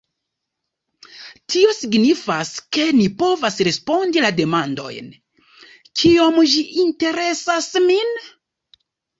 Tio signifas, ke ni povas respondi la demandojn: "Kiom ĝi interesas min?